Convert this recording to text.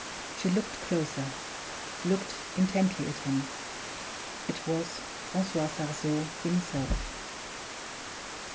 She looked closer looked intently at him. It was Francois Sarzeau himself.